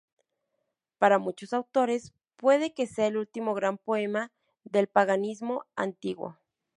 Para muchos autores, puede que sea el último gran poema del paganismo antiguo.